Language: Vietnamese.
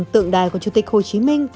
ba mươi năm tượng đài của chủ tịch hồ chí minh